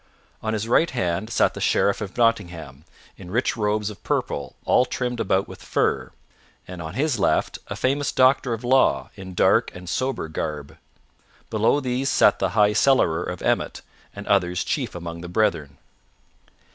On his right hand sat the Sheriff of Nottingham in rich robes of purple all trimmed about with fur, and on his left a famous doctor of law in dark and sober garb. Below these sat the high cellarer of Emmet, and others chief among the brethren.